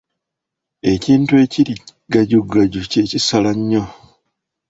Ekintu ekiri gajugaju ky'ekisala nnyo.